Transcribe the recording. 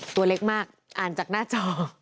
ตัวเล็กมากอ่านจากหน้าจอ